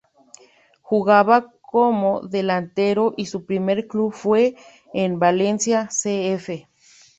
Jugaba como delantero y su primer club fue el Valencia C. F..